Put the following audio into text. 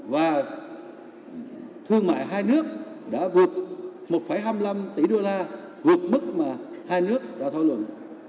và thương mại hai nước đã vượt một hai mươi năm tỷ đô la vượt mức mà hai nước đã thảo luận